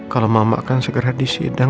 kalau mama akan segera di sidang